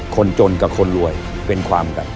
คนจนกับคนรวยเป็นความกัน